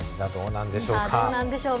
どうなんでしょうか？